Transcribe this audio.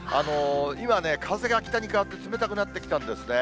今ね、風が北に変わって、冷たくなってきたんですね。